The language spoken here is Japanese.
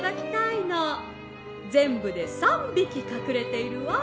ぜんぶで３びきかくれているわ。